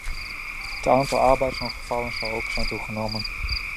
Het aantal arbeidsongevallen zou ook zijn toegenomen.